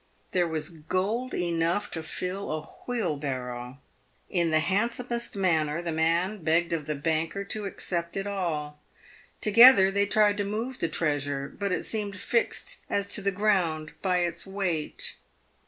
There was gold enough to fill a wheelbarrow. In the handsomest manner, the man begged of the banker to accept it all. Together they tried to move the treasure, but it seemed fixed as to the ground by its weight.